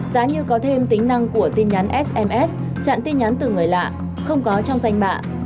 giá như có thêm tính năng của tin nhắn sms chặn tin nhắn từ người lạ không có trong danh mạ